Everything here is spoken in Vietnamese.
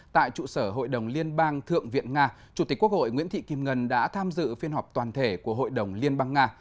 tại trụ sở hội đồng liên bang thượng viện nga chủ tịch quốc hội nguyễn thị kim ngân đã tham dự phiên họp toàn thể của hội đồng liên bang nga